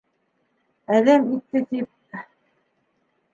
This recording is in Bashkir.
Әҙәм итте тип...